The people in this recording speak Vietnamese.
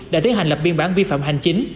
đã tiến hành lập biên bản vi phạm hành chính